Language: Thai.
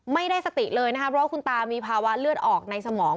ไม่ได้สติเลยนะครับเพราะว่าคุณตามีภาวะเลือดออกในสมอง